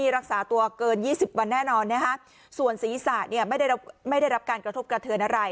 รักษาตัวเกิน๒๐วันแน่นอนนะฮะส่วนศีรษะเนี่ยไม่ได้รับการกระทบกระเทือนอะไร